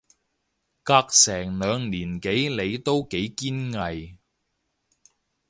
隔成兩年幾你都好堅毅